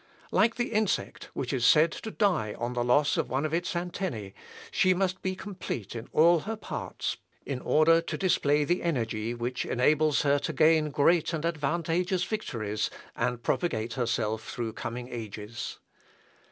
Like the insect, which is said to die on the loss of one of its antennæ, she must be complete in all her parts, in order to display the energy which enables her to gain great and advantageous victories, and propagate herself through coming ages.